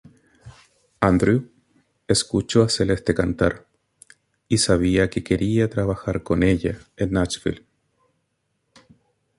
Andrew escucho a Celeste cantar y sabía que quería trabajar con ella en Nashville.